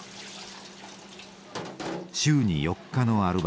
週に４日のアルバイト。